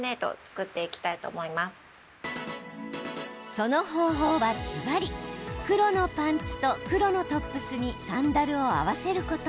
その方法は、ずばり黒のパンツと黒のトップスにサンダルを合わせること。